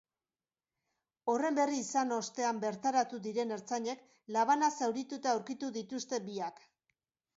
Horren berri izan ostean bertaratu diren ertzainek labanaz zaurituta aurkitu dituzte biak.